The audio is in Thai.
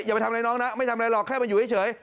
อย่าไปทำอะไรน้องนะไม่ทำอะไรหรอกแค่มาอยู่เฉย